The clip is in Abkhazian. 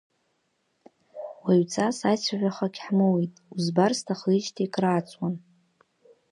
Уаҩҵас аицәажәахагь ҳмоуит, узбар сҭахижьҭеи крааҵуан.